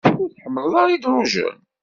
Ur tḥemmleḍ ara idrugen?